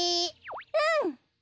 うん！